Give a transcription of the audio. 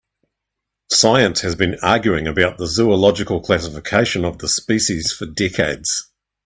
Science has been arguing about the zoological classification of the species for decades.